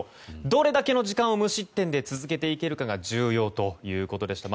どれだけの時間を無失点で続けていけるかが重要とのことでした。